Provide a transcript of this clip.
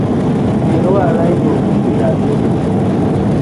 Ngmiilu waala igoobu kidaaveeniti.